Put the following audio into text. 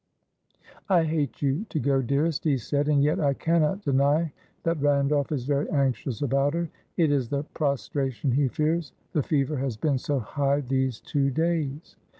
"I hate you to go, dearest," he said, "and yet I cannot deny that Randolph is very anxious about her. It is the prostration he fears; the fever has been so high these two days."